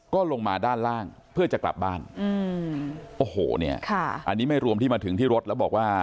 ก็ลงมาด้านล่างเพื่อจะกลับบ้านอืมโอ้โหเนี่ยค่ะอันนี้ไม่รวมที่มาถึงที่รถแล้วบอกว่า